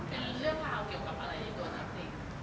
ในเรื่องเกี่ยวกับอะไรในตัวเนื้อเพลง